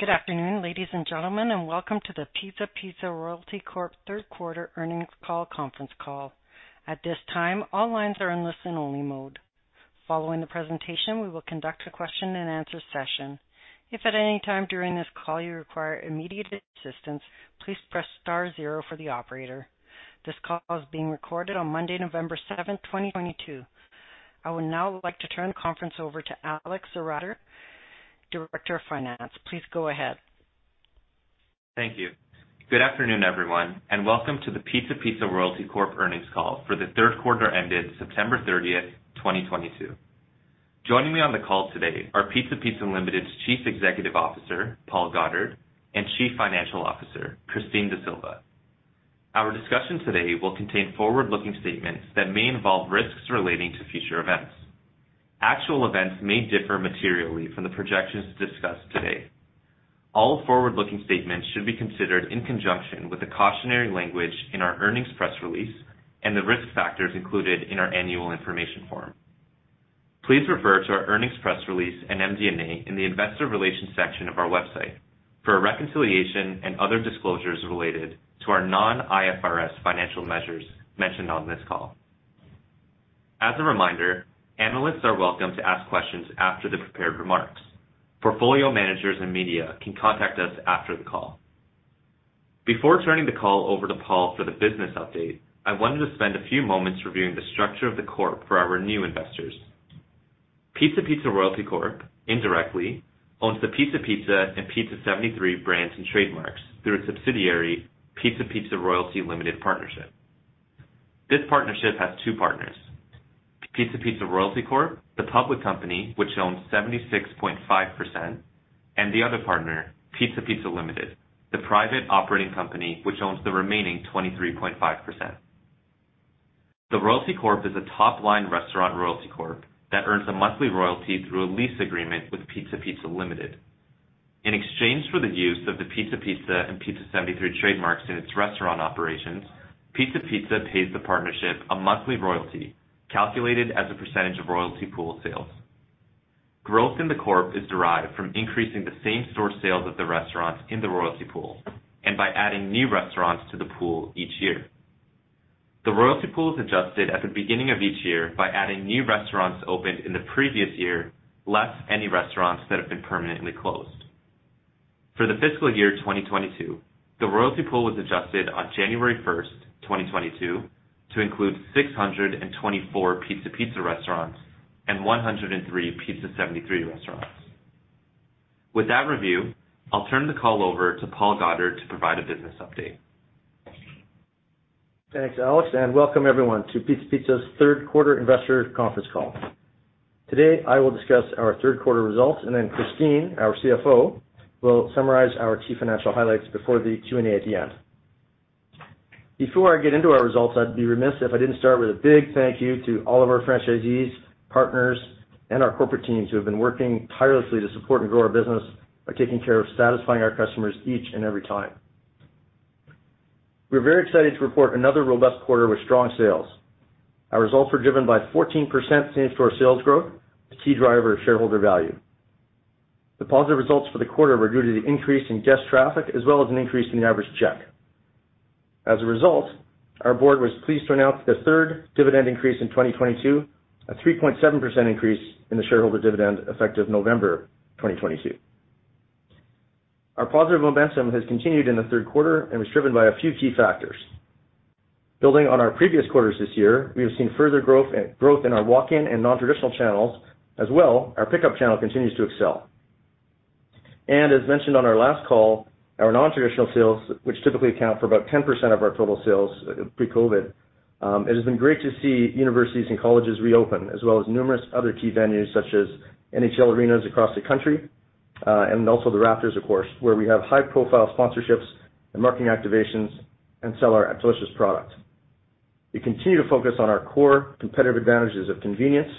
Good afternoon, ladies and gentlemen, and welcome to the Pizza Pizza Royalty Corp Third Quarter Earnings Call conference call. At this time, all lines are in listen-only mode. Following the presentation, we will conduct a question and answer session. If at any time during this call you require immediate assistance, please press star zero for the operator. This call is being recorded on Monday, November 7, 2022. I would now like to turn the conference over to Alexander Sewrattan, Director of Finance. Please go ahead. Thank you. Good afternoon, everyone, and welcome to the Pizza Pizza Royalty Corp earnings call for the third quarter ended September 30, 2022. Joining me on the call today are Pizza Pizza Limited's Chief Executive Officer, Paul Goddard, and Chief Financial Officer, Christine D'Sylva. Our discussion today will contain forward-looking statements that may involve risks relating to future events. Actual events may differ materially from the projections discussed today. All forward-looking statements should be considered in conjunction with the cautionary language in our earnings press release and the risk factors included in our annual information form. Please refer to our earnings press release and MD&A in the investor relations section of our website for a reconciliation and other disclosures related to our non-IFRS financial measures mentioned on this call. As a reminder, analysts are welcome to ask questions after the prepared remarks. Portfolio managers and media can contact us after the call. Before turning the call over to Paul for the business update, I wanted to spend a few moments reviewing the structure of the Corp for our new investors. Pizza Pizza Royalty Corp indirectly owns the Pizza Pizza and Pizza 73 brands and trademarks through its subsidiary, Pizza Pizza Royalty Limited Partnership. This partnership has two partners, Pizza Pizza Royalty Corp, the public company, which owns 76.5%, and the other partner, Pizza Pizza Limited, the private operating company, which owns the remaining 23.5%. The Royalty Corp is a top-line restaurant royalty corp that earns a monthly royalty through a lease agreement with Pizza Pizza Limited. In exchange for the use of the Pizza Pizza and Pizza 73 trademarks in its restaurant operations, Pizza Pizza pays the partnership a monthly royalty, calculated as a percentage of royalty pool sales. Growth in the Corp is derived from increasing the same-store sales of the restaurants in the royalty pool and by adding new restaurants to the pool each year. The royalty pool is adjusted at the beginning of each year by adding new restaurants opened in the previous year, less any restaurants that have been permanently closed. For the fiscal year 2022, the royalty pool was adjusted on January 1st, 2022, to include 624 Pizza Pizza restaurants and 103 Pizza 73 restaurants. With that review, I'll turn the call over to Paul Goddard to provide a business update. Thanks, Alex, and welcome, everyone, to Pizza Pizza's third quarter investor conference call. Today, I will discuss our third quarter results, and then Christine, our CFO, will summarize our key financial highlights before the Q&A at the end. Before I get into our results, I'd be remiss if I didn't start with a big thank you to all of our franchisees, partners, and our corporate teams who have been working tirelessly to support and grow our business by taking care of satisfying our customers each and every time. We are very excited to report another robust quarter with strong sales. Our results were driven by 14% same-store sales growth, the key driver of shareholder value. The positive results for the quarter were due to the increase in guest traffic, as well as an increase in the average check. As a result, our board was pleased to announce the third dividend increase in 2022, a 3.7% increase in the shareholder dividend effective November 2022. Our positive momentum has continued in the third quarter and was driven by a few key factors. Building on our previous quarters this year, we have seen further growth in our walk-in and non-traditional channels. Our pickup channel continues to excel. As mentioned on our last call, our non-traditional sales, which typically account for about 10% of our total sales pre-COVID, it has been great to see universities and colleges reopen, as well as numerous other key venues such as NHL arenas across the country, and also the Raptors, of course, where we have high-profile sponsorships and marketing activations and sell our delicious product. We continue to focus on our core competitive advantages of convenience,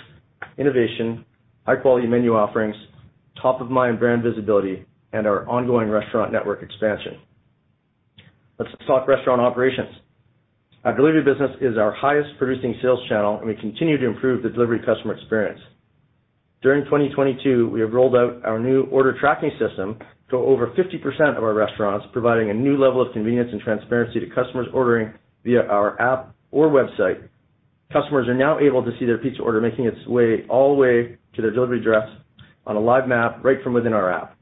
innovation, high-quality menu offerings, top-of-mind brand visibility, and our ongoing restaurant network expansion. Let's talk restaurant operations. Our delivery business is our highest-producing sales channel, and we continue to improve the delivery customer experience. During 2022, we have rolled out our new order tracking system to over 50% of our restaurants, providing a new level of convenience and transparency to customers ordering via our app or website. Customers are now able to see their pizza order making its way all the way to their delivery address on a live map right from within our app.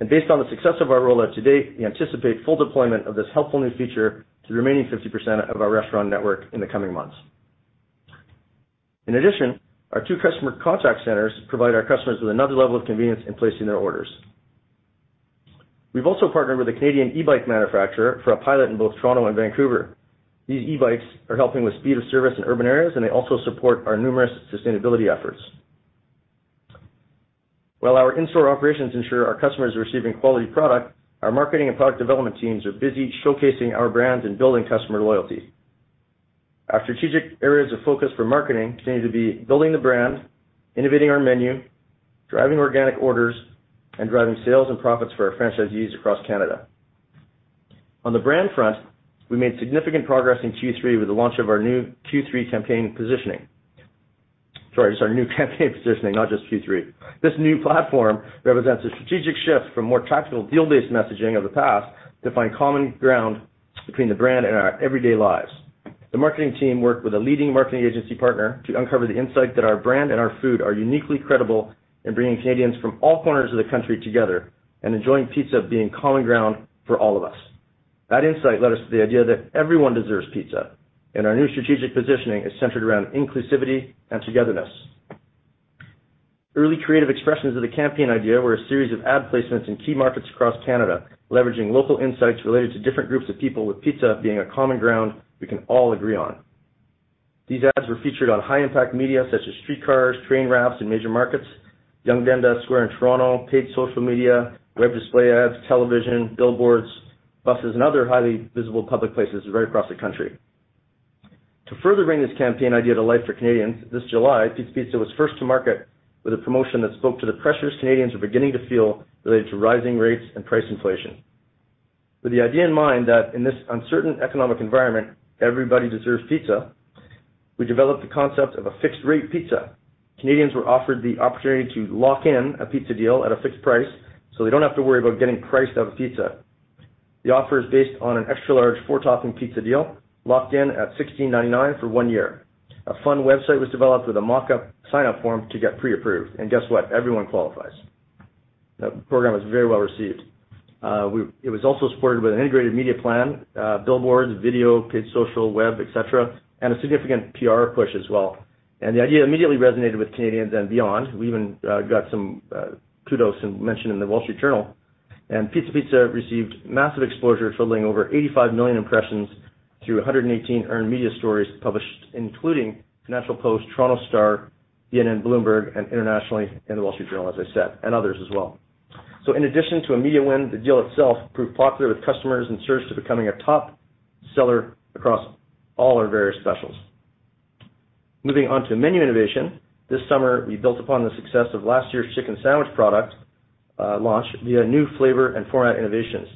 Based on the success of our rollout to date, we anticipate full deployment of this helpful new feature to the remaining 50% of our restaurant network in the coming months. In addition, our two customer contact centers provide our customers with another level of convenience in placing their orders. We've also partnered with a Canadian e-bike manufacturer for a pilot in both Toronto and Vancouver. These e-bikes are helping with speed of service in urban areas, and they also support our numerous sustainability efforts. While our in-store operations ensure our customers are receiving quality product, our marketing and product development teams are busy showcasing our brands and building customer loyalty. Our strategic areas of focus for marketing continue to be building the brand, innovating our menu, driving organic orders, and driving sales and profits for our franchisees across Canada. On the brand front, we made significant progress in Q3 with the launch of our new Q3 campaign positioning. Sorry, it's our new campaign positioning, not just Q3. This new platform represents a strategic shift from more tactical deal-based messaging of the past, to find common ground between the brand and our everyday lives. The marketing team worked with a leading marketing agency partner to uncover the insight that our brand and our food are uniquely credible in bringing Canadians from all corners of the country together, enjoying pizza being common ground for all of us. That insight led us to the idea that Everyone Deserves Pizza, and our new strategic positioning is centered around inclusivity and togetherness. Early creative expressions of the campaign idea were a series of ad placements in key markets across Canada, leveraging local insights related to different groups of people, with Pizza Pizza being a common ground we can all agree on. These ads were featured on high impact media such as streetcars, train wraps in major markets, Yonge-Dundas Square in Toronto, paid social media, web display ads, television, billboards, buses, and other highly visible public places right across the country. To further bring this campaign idea to life for Canadians, this July, Pizza Pizza was first to market with a promotion that spoke to the pressures Canadians are beginning to feel related to rising rates and price inflation. With the idea in mind that in this uncertain economic environment, everybody deserves pizza, we developed the concept of a Fixed-Rate Pizza. Canadians were offered the opportunity to lock in a pizza deal at a fixed price, so they don't have to worry about getting priced out of pizza. The offer is based on an extra large, four-topping pizza deal, locked in at 16.99 for 1 year. A fun website was developed with a mock-up sign-up form to get pre-approved, and guess what? Everyone qualifies. That program was very well received. It was also supported with an integrated media plan, billboards, video, paid social, web, et cetera, and a significant PR push as well. The idea immediately resonated with Canadians and beyond. We even got some kudos and mention in The Wall Street Journal, and Pizza Pizza received massive exposure, totaling over 85 million impressions through 118 earned media stories published, including Financial Post, Toronto Star, CNN, Bloomberg, and internationally in The Wall Street Journal, as I said, and others as well. So in addition to a media win, the deal itself proved popular with customers and surged to becoming a top seller across all our various specials. Moving on to menu innovation, this summer we built upon the success of last year's chicken sandwich product launch, via new flavor and format innovations.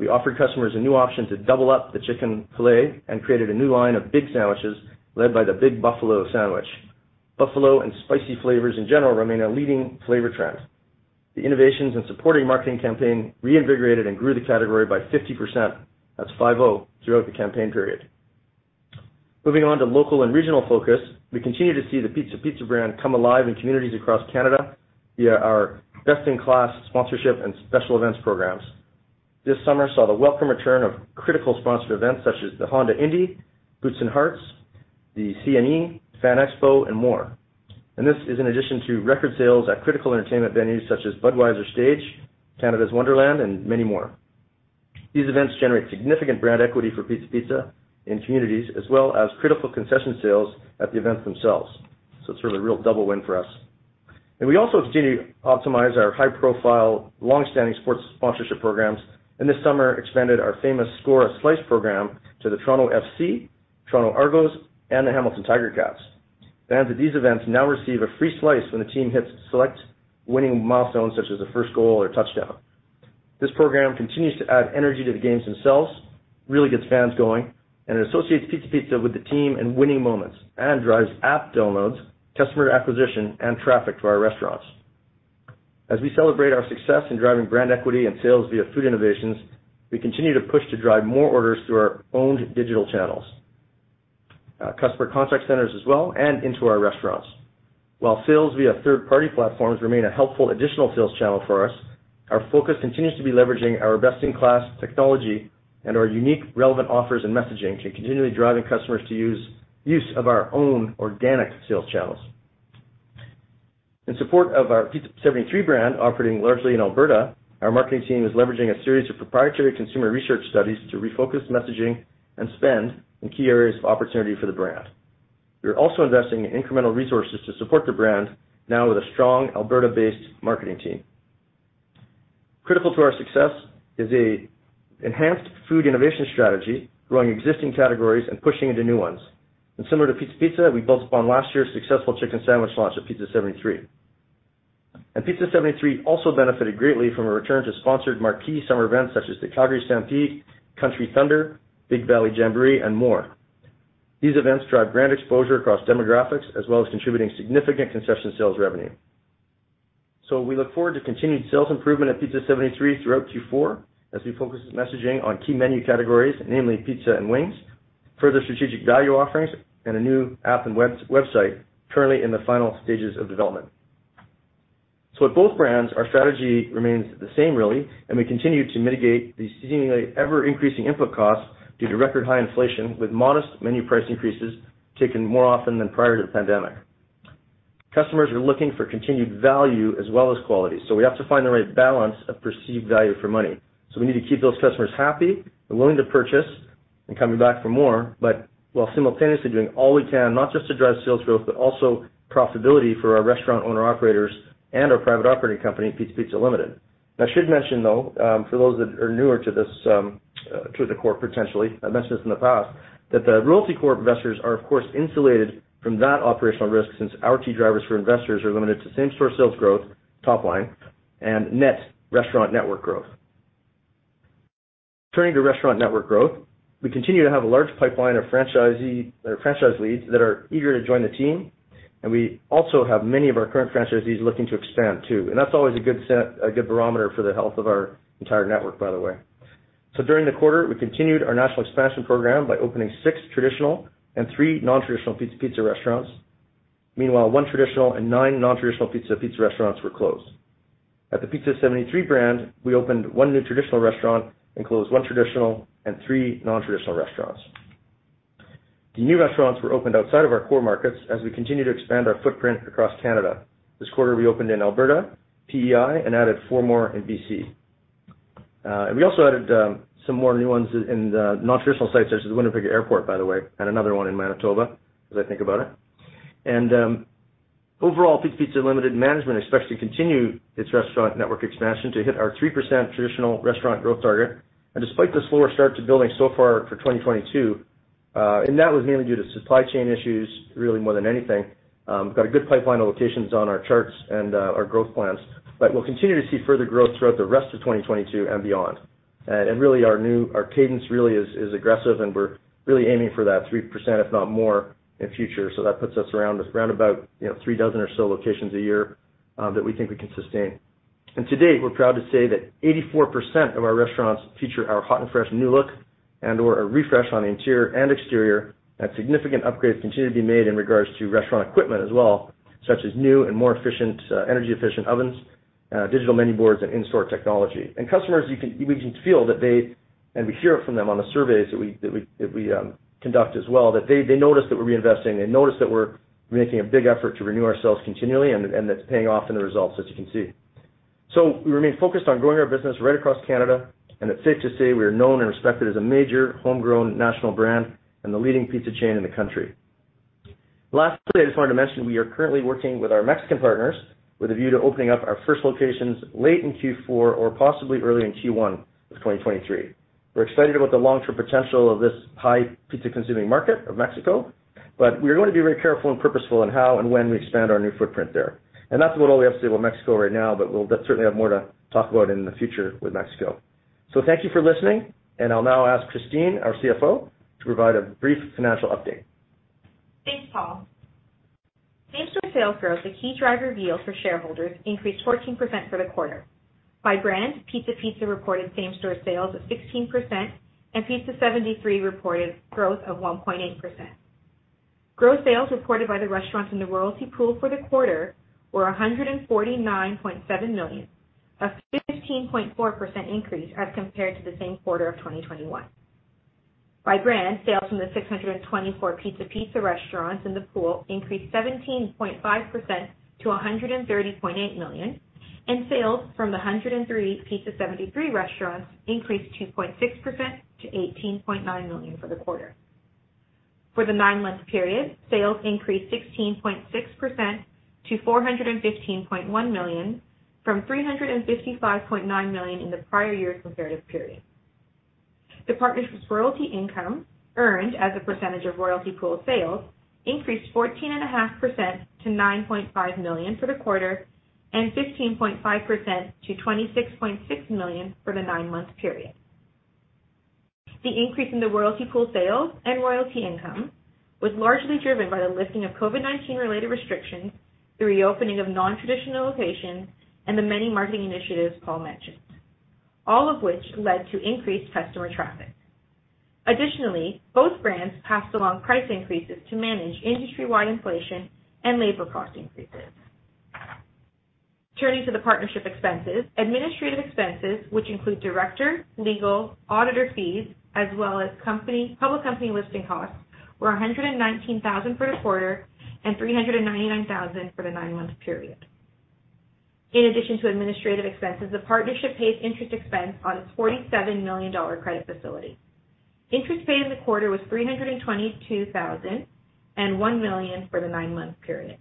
We offered customers a new option to double up the chicken filet and created a new line of big sandwiches led by the Big Buffalo sandwich. Buffalo and spicy flavors in general remain a leading flavor trend. The innovations and supporting marketing campaign reinvigorated and grew the category by 50% throughout the campaign period. Moving on to local and regional focus, we continue to see the Pizza Pizza brand come alive in communities across Canada, via our best-in-class sponsorship and special events programs. This summer saw the welcome return of critical sponsor events such as the Honda Indy, Boots and Hearts, the CNE, Fan Expo, and more. This is in addition to record sales at critical entertainment venues such as Budweiser Stage, Canada's Wonderland, and many more. These events generate significant brand equity for Pizza Pizza in communities, as well as critical concession sales at the events themselves. It's sort of a real double win for us. We also continue to optimize our high profile, long-standing sports sponsorship programs, and this summer expanded our famous Score a Slice program to the Toronto FC, Toronto Argos, and the Hamilton Tiger-Cats. Fans at these events now receive a free slice when the team hits select winning milestones, such as the first goal or touchdown. This program continues to add energy to the games themselves, really gets fans going, and it associates Pizza Pizza with the team and winning moments, and drives app downloads, customer acquisition, and traffic to our restaurants. As we celebrate our success in driving brand equity and sales via food innovations, we continue to push to drive more orders through our owned digital channels, customer contact centers as well, and into our restaurants. While sales via third-party platforms remain a helpful additional sales channel for us, our focus continues to be leveraging our best-in-class technology and our unique relevant offers and messaging to continually driving customers to use of our own organic sales channels. In support of our Pizza 73 brand, operating largely in Alberta, our marketing team is leveraging a series of proprietary consumer research studies to refocus messaging and spend in key areas of opportunity for the brand. We are also investing in incremental resources to support the brand, now with a strong Alberta-based marketing team. Critical to our success is a enhanced food innovation strategy, growing existing categories and pushing into new ones. Similar to Pizza Pizza, we built upon last year's successful chicken sandwich launch with Pizza 73. Pizza 73 also benefited greatly from a return to sponsored marquee summer events such as the Calgary Stampede, Country Thunder, Big Valley Jamboree, and more. These events drive brand exposure across demographics, as well as contributing significant concession sales revenue. We look forward to continued sales improvement at Pizza 73 throughout Q4, as we focus messaging on key menu categories, namely pizza and wings, further strategic value offerings, and a new app and website currently in the final stages of development. At both brands, our strategy remains the same really, and we continue to mitigate the seemingly ever-increasing input costs due to record high inflation with modest menu price increases taken more often than prior to the pandemic. Customers are looking for continued value as well as quality. We have to find the right balance of perceived value for money. We need to keep those customers happy and willing to purchase and coming back for more, but while simultaneously doing all we can, not just to drive sales growth, but also profitability for our restaurant owner operators and our private operating company, Pizza Pizza Limited. I should mention though, for those that are newer to the Corp potentially, I've mentioned this in the past, that the Royalty Corp investors are of course insulated from that operational risk since our key drivers for investors are limited to same-store sales growth, top line, and net restaurant network growth. Turning to restaurant network growth, we continue to have a large pipeline of franchise leads that are eager to join the team, and we also have many of our current franchisees looking to expand, too. That's always a good barometer for the health of our entire network, by the way. During the quarter, we continued our national expansion program by opening six traditional and three non-traditional Pizza Pizza restaurants. Meanwhile, one traditional and nine non-traditional Pizza Pizza restaurants were closed. At the Pizza 73 brand, we opened one new traditional restaurant and closed one traditional and three non-traditional restaurants. The new restaurants were opened outside of our core markets as we continue to expand our footprint across Canada. This quarter, we opened in Alberta, PEI, and added four more in BC. We also added some more new ones in the non-traditional sites, such as Winnipeg Airport, by the way, and another one in Manitoba, as I think about it. Overall, Pizza Pizza Limited management expects to continue its restaurant network expansion to hit our 3% traditional restaurant growth target. Despite the slower start to building so far for 2022, and that was mainly due to supply chain issues really more than anything, we've got a good pipeline of locations on our charts and our growth plans. We'll continue to see further growth throughout the rest of 2022 and beyond. Really our cadence really is aggressive and we're really aiming for that 3%, if not more in future. That puts us around about three dozen or so locations a year that we think we can sustain. To date, we're proud to say that 84% of our restaurants feature our hot and fresh new look and/or a refresh on the interior and exterior. Significant upgrades continue to be made in regards to restaurant equipment as well, such as new and more efficient energy-efficient ovens, digital menu boards, and in-store technology. Customers, we can feel, and we hear it from them on the surveys that we conduct as well, that they notice that we're reinvesting. They notice that we're making a big effort to renew ourselves continually, and that's paying off in the results, as you can see. We remain focused on growing our business right across Canada, and it's safe to say we are known and respected as a major homegrown national brand and the leading pizza chain in the country. Lastly, I just wanted to mention, we are currently working with our Mexican partners with a view to opening up our first locations late in Q4 or possibly early in Q1 of 2023. We're excited about the long-term potential of this high pizza consuming market of Mexico, but we are going to be very careful and purposeful in how and when we expand our new footprint there. That's about all we have to say about Mexico right now, but we'll certainly have more to talk about in the future with Mexico. Thank you for listening, and I'll now ask Christine, our CFO, to provide a brief financial update. Thanks, Paul. Same-store sales growth, a key driver yield for shareholders, increased 14% for the quarter. By brand, Pizza Pizza reported same-store sales of 16%, and Pizza 73 reported growth of 1.8%. Gross sales reported by the restaurants in the royalty pool for the quarter were 149.7 million, a 15.4% increase as compared to the same quarter of 2021. By brand, sales from the 624 Pizza Pizza restaurants in the pool increased 17.5% to 130.8 million, and sales from the 103 Pizza 73 restaurants increased 2.6% to 18.9 million for the quarter. For the nine-month period, sales increased 16.6% to 415.1 million, from 355.9 million in the prior year's comparative period. The partnership's royalty income, earned as a percentage of royalty pool sales, increased 14.5% to 9.5 million for the quarter, and 15.5% to 26.6 million for the nine-month period. The increase in the royalty pool sales and royalty income was largely driven by the lifting of COVID-19 related restrictions, the reopening of non-traditional locations, and the many marketing initiatives Paul mentioned, all of which led to increased customer traffic. Additionally, both brands passed along price increases to manage industry-wide inflation and labor cost increases. Turning to the partnership expenses, administrative expenses, which include director, legal, auditor fees, as well as public company listing costs, were 119,000 for the quarter and 399,000 for the nine-month period. In addition to administrative expenses, the partnership pays interest expense on its 47 million dollar credit facility. Interest paid in the quarter was 322,000, and 1 million for the nine-month period.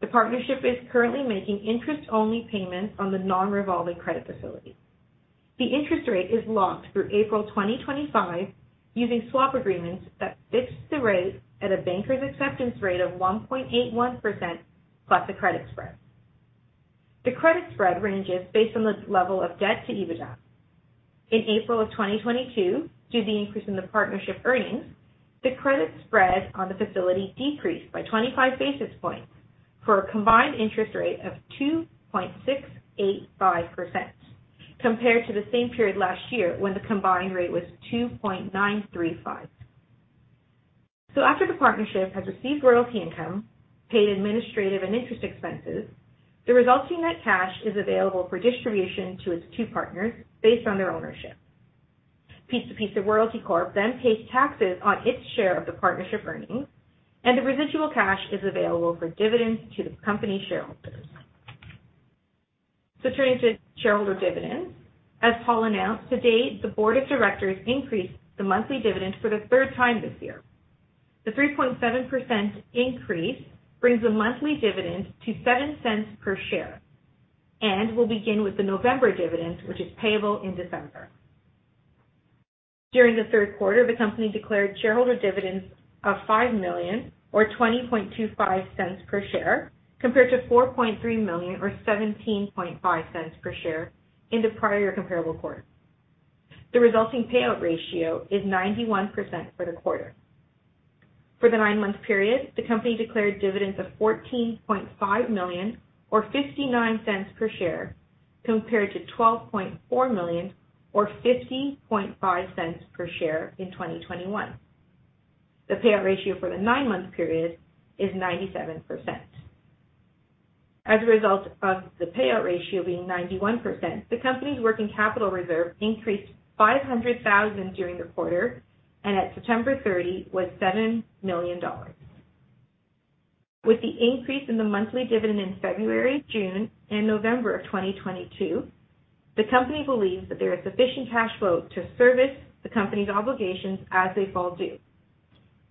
The partnership is currently making interest-only payments on the non-revolving credit facility. The interest rate is locked through April 2025 using swap agreements that fix the rate at a banker's acceptance rate of 1.81% plus a credit spread. The credit spread ranges based on the level of debt to EBITDA. In April of 2022, due to the increase in the partnership earnings, the credit spread on the facility decreased by 25 basis points for a combined interest rate of 2.685%, compared to the same period last year when the combined rate was 2.935%. After the partnership has received royalty income, paid administrative and interest expenses, the resulting net cash is available for distribution to its two partners based on their ownership. Pizza Pizza Royalty Corp then pays taxes on its share of the partnership earnings, and the residual cash is available for dividends to the company shareholders. Turning to shareholder dividends, as Paul announced, to date, the board of directors increased the monthly dividend for the third time this year. The 3.7% increase brings the monthly dividend to 0.07 per share and will begin with the November dividend, which is payable in December. During the third quarter, the company declared shareholder dividends of 5 million or 0.2025 per share, compared to 4.3 million or 0.175 per share in the prior comparable quarter. The resulting payout ratio is 91% for the quarter. For the nine-month period, the company declared dividends of 14.5 million or 0.59 per share, compared to 12.4 million or 0.505 per share in 2021. The payout ratio for the nine-month period is 97%. As a result of the payout ratio being 91%, the company's working capital reserve increased 500,000 during the quarter, and at September 30, was 7 million dollars. With the increase in the monthly dividend in February, June, and November of 2022, the company believes that there is sufficient cash flow to service the company's obligations as they fall due,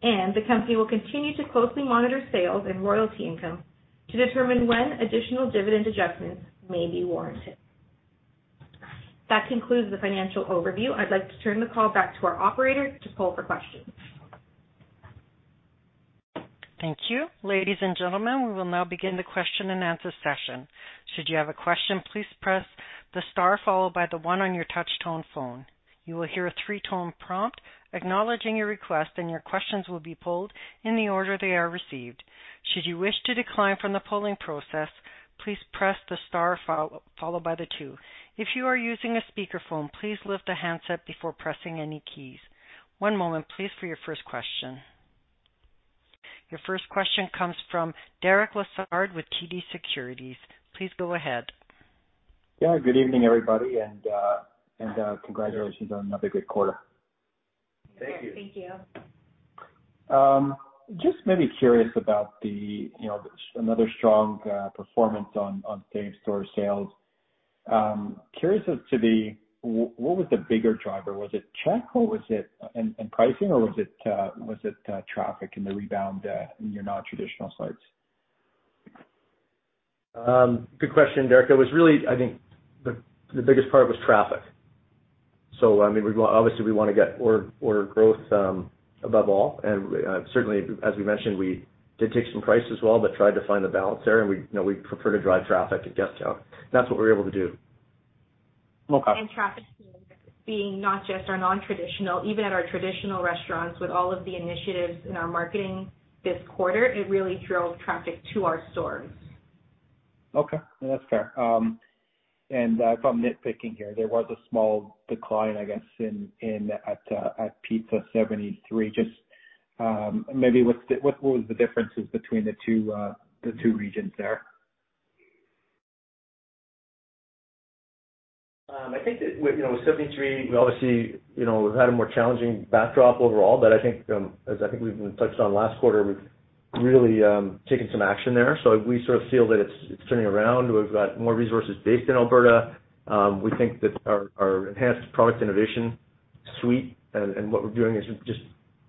and the company will continue to closely monitor sales and royalty income to determine when additional dividend adjustments may be warranted. That concludes the financial overview. I'd like to turn the call back to our operator to poll for questions. Thank you. Ladies and gentlemen, we will now begin the question and answer session. Should you have a question, please press the star followed by the one on your touch tone phone. You will hear a three-tone prompt acknowledging your request, and your questions will be polled in the order they are received. Should you wish to decline from the polling process, please press the star followed by the two. If you are using a speakerphone, please lift the handset before pressing any keys. One moment please for your first question. Your first question comes from Derek Lessard with TD Securities. Please go ahead. Yeah, good evening, everybody, and congratulations on another good quarter. Thank you. Thank you. Just maybe curious about another strong performance on same-store sales. Curious as to what was the bigger driver? Was it check and pricing, or was it traffic and the rebound in your non-traditional sites? Good question, Derek. It was really, I think, the biggest part was traffic. Obviously, we want to get order growth, above all, and certainly, as we mentioned, we did take some price as well, but tried to find the balance there, and we prefer to drive traffic and guest count. That's what we were able to do. Okay. Traffic being not just our non-traditional, even at our traditional restaurants, with all of the initiatives in our marketing this quarter, it really drove traffic to our stores. Okay. No, that's fair. If I'm nitpicking here, there was a small decline, I guess, at Pizza 73. Just maybe, what was the differences between the two regions there? I think that with 73, we obviously have had a more challenging backdrop overall, but I think as we've touched on last quarter, we've really taken some action there. We sort of feel that it's turning around. We've got more resources based in Alberta. We think that our enhanced product innovation suite and what we're doing is just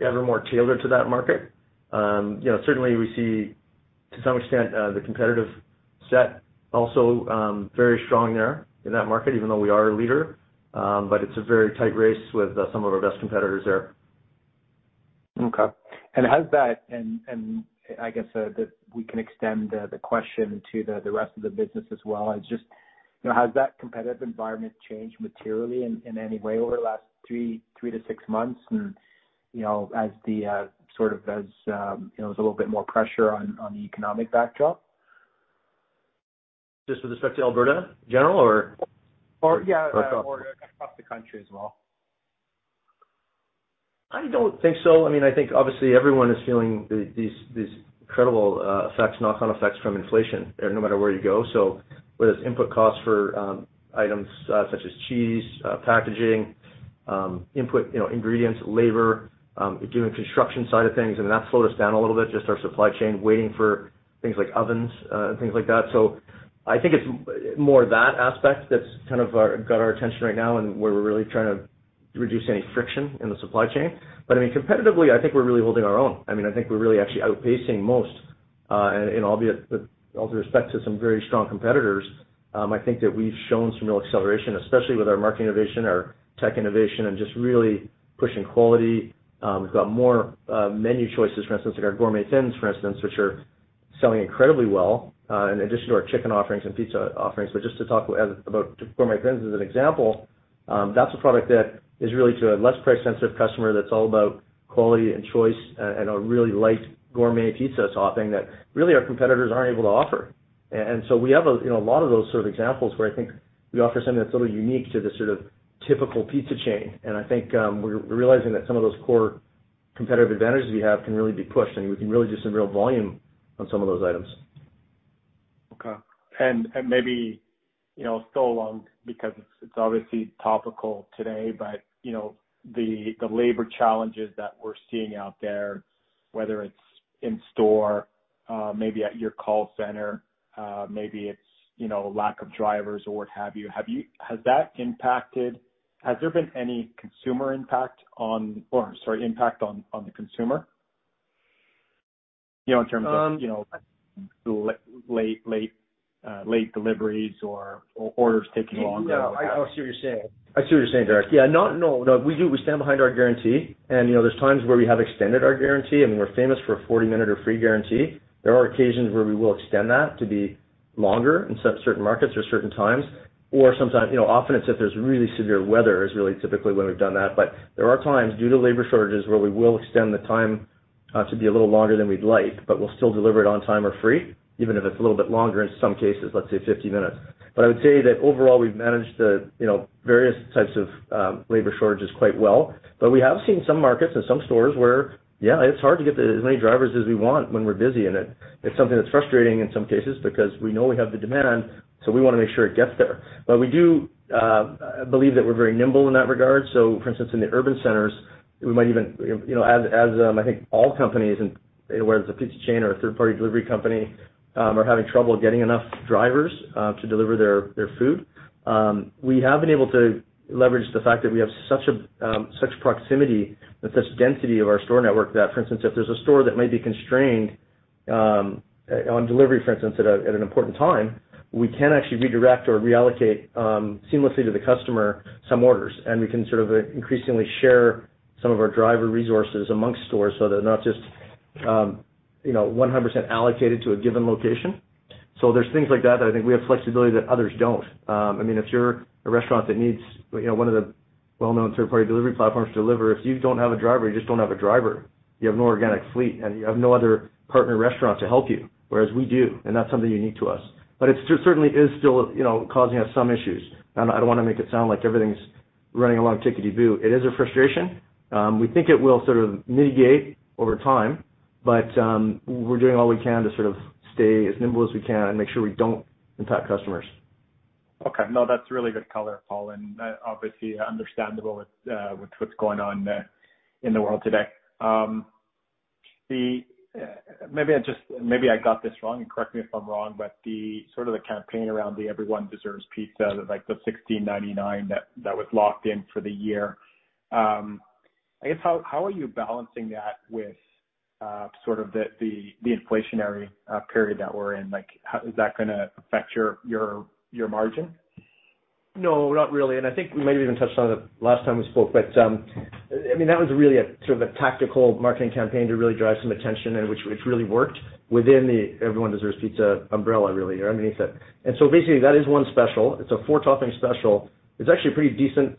ever more tailored to that market. Certainly, we see to some extent, the competitive set also, very strong there in that market, even though we are a leader, but it's a very tight race with some of our best competitors there. Okay. I guess, that we can extend the question to the rest of the business as well. Has that competitive environment changed materially in any way over the last three to six months, and as there's a little bit more pressure on the economic backdrop? Just with respect to Alberta general? Yeah, across the country as well. I don't think so. I think obviously everyone is feeling these incredible knock-on effects from inflation no matter where you go. Whether it's input costs for items such as cheese, packaging, input ingredients, labor, doing construction side of things, and that slowed us down a little bit, just our supply chain waiting for things like ovens, and things like that. I think it's more that aspect that's kind of got our attention right now and where we're really trying to reduce any friction in the supply chain. Competitively, I think we're really holding our own. I think we're really actually outpacing most, and all due respect to some very strong competitors, I think that we've shown some real acceleration, especially with our market innovation, our tech innovation, and just really pushing quality. We've got more menu choices, for instance, like our Gourmet Thins, for instance, which are selling incredibly well, in addition to our chicken offerings and pizza offerings. Just to talk about Gourmet Thins as an example, that's a product that is really to a less price-sensitive customer that's all about quality and choice and a really light gourmet pizza topping that really our competitors aren't able to offer. We have a lot of those sort of examples where I think we offer something that's a little unique to the sort of typical pizza chain, and I think we're realizing that some of those core competitive advantages we have can really be pushed, and we can really do some real volume on some of those items. Okay. Maybe still along, because it's obviously topical today, the labor challenges that we're seeing out there, whether it's in store, maybe at your call center, maybe it's lack of drivers or what have you. Has there been any impact on the consumer? In terms of late deliveries or orders taking longer? Yeah. I see what you're saying, Derek. Yeah. No, we stand behind our guarantee, and there's times where we have extended our guarantee, and we're famous for a 40-minute or free guarantee. There are occasions where we will extend that to be longer in certain markets or certain times, or often it's if there's really severe weather is really typically when we've done that. There are times, due to labor shortages, where we will extend the time to be a little longer than we'd like, but we'll still deliver it on time or free, even if it's a little bit longer, in some cases, let's say 50 minutes. I would say that overall, we've managed the various types of labor shortages quite well. We have seen some markets and some stores where, yeah, it's hard to get as many drivers as we want when we're busy, and it's something that's frustrating in some cases because we know we have the demand, we want to make sure it gets there. We do believe that we're very nimble in that regard. For instance, in the urban centers, we might even, as I think all companies, and whether it's a pizza chain or a third-party delivery company, are having trouble getting enough drivers to deliver their food. We have been able to leverage the fact that we have such proximity with this density of our store network that, for instance, if there's a store that may be constrained on delivery, for instance, at an important time, we can actually redirect or reallocate seamlessly to the customer some orders, and we can sort of increasingly share some of our driver resources amongst stores so they're not just 100% allocated to a given location. There's things like that I think we have flexibility that others don't. If you're a restaurant that needs one of the well-known third-party delivery platforms to deliver, if you don't have a driver, you just don't have a driver. You have no organic fleet, and you have no other partner restaurant to help you, whereas we do, and that's something unique to us. It certainly is still causing us some issues. I don't want to make it sound like everything's running along tickety-boo. It is a frustration. We think it will sort of mitigate over time, but we're doing all we can to stay as nimble as we can and make sure we don't impact customers. No, that's really good color, Paul, obviously understandable with what's going on in the world today. Maybe I got this wrong, correct me if I'm wrong, the campaign around the Everyone Deserves Pizza, like the 16.99 that was locked in for the year. I guess, how are you balancing that with the inflationary period that we're in? Is that going to affect your margin? No, not really. I think we maybe even touched on it last time we spoke, that was really a tactical marketing campaign to really drive some attention, which really worked within the Everyone Deserves Pizza umbrella, really, or underneath it. Basically that is one special. It's a four-topping special. It's actually a pretty decent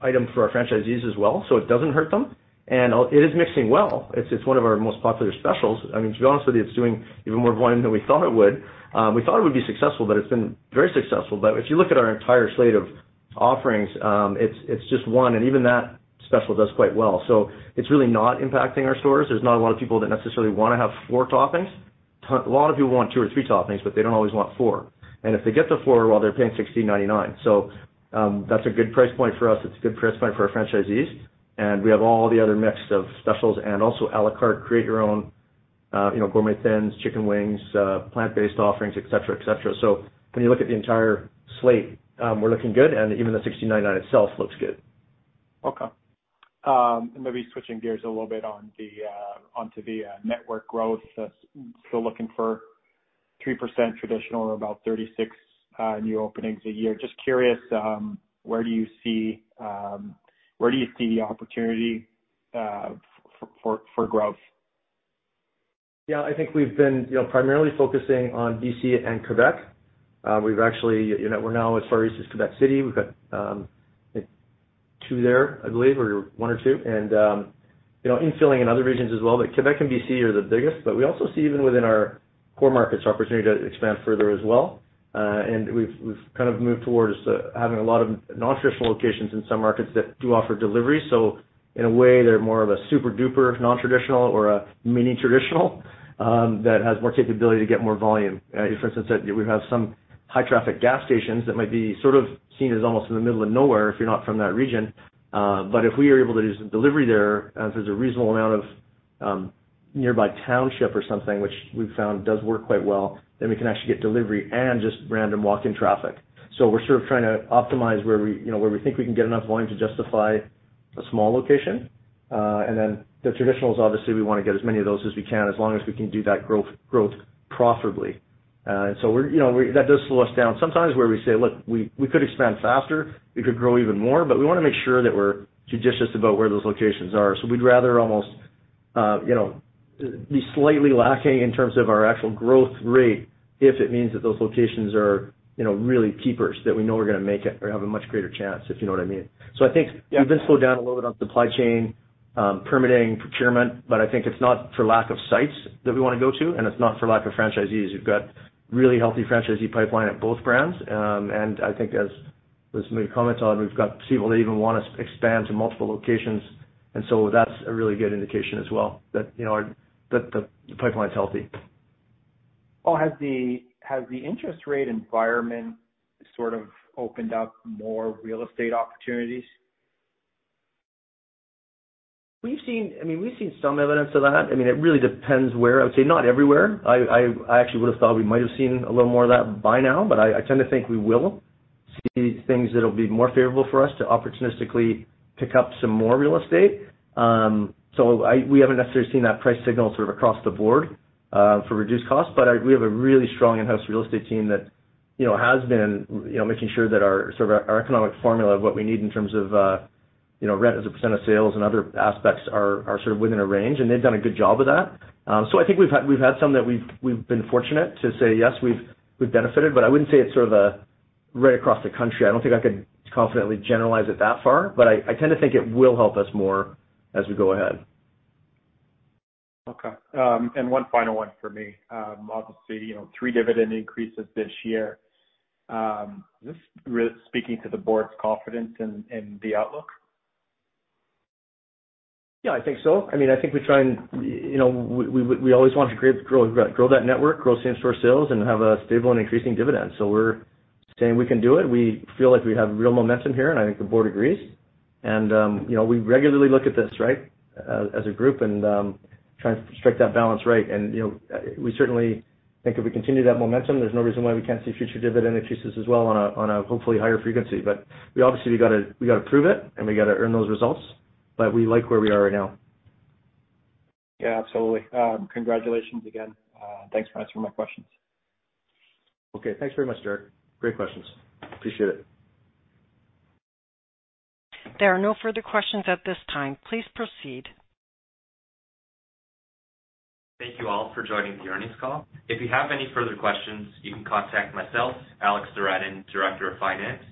item for our franchisees as well, so it doesn't hurt them. It is mixing well. It's one of our most popular specials. To be honest with you, it's doing even more volume than we thought it would. We thought it would be successful, it's been very successful. If you look at our entire slate of offerings, it's just one, even that special does quite well. It's really not impacting our stores. There's not a lot of people that necessarily want to have four toppings. A lot of people want two or three toppings, they don't always want four. If they get the four, well, they're paying 16.99. That's a good price point for us. It's a good price point for our franchisees, we have all the other mix of specials and also à la carte, create your own Gourmet Thins, chicken wings, plant-based offerings, et cetera. When you look at the entire slate, we're looking good, even the 16.99 itself looks good. Okay. Maybe switching gears a little bit onto the network growth, still looking for 3% traditional or about 36 new openings a year. Just curious, where do you see the opportunity for growth? I think we've been primarily focusing on BC and Quebec. We're now as far east as Quebec City. We've got two there, I believe, or one or two. In-filling in other regions as well, but Quebec and BC are the biggest. We also see, even within our core markets, opportunity to expand further as well. We've kind of moved towards having a lot of nontraditional locations in some markets that do offer delivery. In a way, they're more of a super-duper nontraditional or a mini traditional that has more capability to get more volume. For instance, we have some high-traffic gas stations that might be sort of seen as almost in the middle of nowhere if you're not from that region. If we are able to do some delivery there, if there's a reasonable amount of nearby township or something, which we've found does work quite well, then we can actually get delivery and just random walk-in traffic. We're sort of trying to optimize where we think we can get enough volume to justify a small location. Then the traditionals, obviously, we want to get as many of those as we can, as long as we can do that growth profitably. That does slow us down sometimes where we say, "Look, we could expand faster. We could grow even more," but we want to make sure that we're judicious about where those locations are. We'd rather almost be slightly lacking in terms of our actual growth rate, if it means that those locations are really keepers, that we know we're going to make it or have a much greater chance, if you know what I mean. I think we've been slowed down a little bit on supply chain, permitting, procurement, but I think it's not for lack of sites that we want to go to, and it's not for lack of franchisees. We've got a really healthy franchisee pipeline at both brands, and I think as we've commented on, we've got people that even want to expand to multiple locations, that's a really good indication as well that the pipeline's healthy. Paul, has the interest rate environment sort of opened up more real estate opportunities? We've seen some evidence of that. It really depends where. I would say not everywhere. I actually would have thought we might have seen a little more of that by now, but I tend to think we will. See things that'll be more favorable for us to opportunistically pick up some more real estate. We haven't necessarily seen that price signal sort of across the board for reduced costs. We have a really strong in-house real estate team that has been making sure that our economic formula of what we need in terms of rent as a percent of sales and other aspects are sort of within a range, and they've done a good job of that. I think we've had some that we've been fortunate to say, yes, we've benefited, but I wouldn't say it's sort of right across the country. I don't think I could confidently generalize it that far, I tend to think it will help us more as we go ahead. Okay. One final one for me. Obviously, three dividend increases this year. Is this speaking to the board's confidence in the outlook? Yeah, I think so. I think we always want to grow that network, grow same-store sales, and have a stable and increasing dividend. We're saying we can do it. We feel like we have real momentum here, and I think the board agrees. We regularly look at this, right, as a group and try and strike that balance right. We certainly think if we continue that momentum, there's no reason why we can't see future dividend increases as well on a hopefully higher frequency. Obviously, we got to prove it, and we got to earn those results. We like where we are right now. Yeah, absolutely. Congratulations again. Thanks for answering my questions. Okay. Thanks very much, Derek. Great questions. Appreciate it. There are no further questions at this time. Please proceed. Thank you all for joining the earnings call. If you have any further questions, you can contact myself, Alexander Sewrattan, Director of Finance,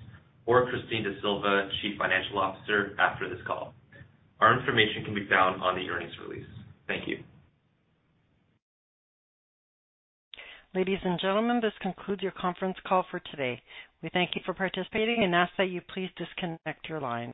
or Christine D'Sylva, Chief Financial Officer, after this call. Our information can be found on the earnings release. Thank you. Ladies and gentlemen, this concludes your conference call for today. We thank you for participating and ask that you please disconnect your lines.